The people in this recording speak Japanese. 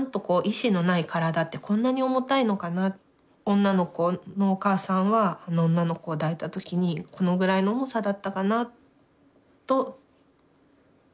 女の子のお母さんはあの女の子を抱いた時にこのぐらいの重さだったかなと思って作ったうん俳句でした。